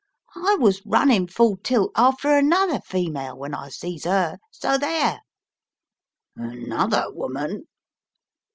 I was running full tilt after another female, when I sees 'er, so there!" "Another woman!"